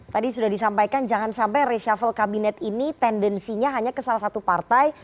tadi sudah disampaikan jangan sampai reshuffle kabinet ini tendensinya hanya ke salah satu partai